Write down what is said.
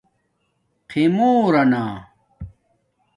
خِمورانا